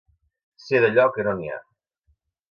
Ser d'allò que no hi ha.